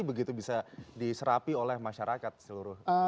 begitu bisa diserapi oleh masyarakat seluruh